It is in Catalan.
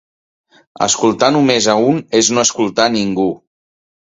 Escoltar només a un és no escoltar a ningú.